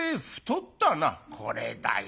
「これだよ。